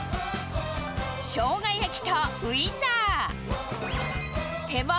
しょうが焼きとウインナー。